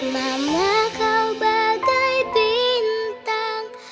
mama kau bagai bintang